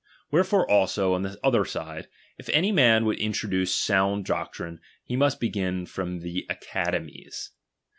Wherefore also, on the other side, if any man would introduce sound doctrine, he must begin from the academies.